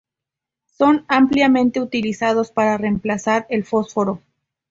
Son ampliamente utilizados para reemplazar el fósforo.